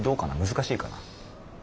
難しいかな？